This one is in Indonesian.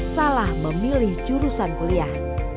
salah memilih jurusan kuliah